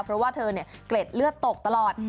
เพราะว่าเธอเกล็ดเลือดตกตลอด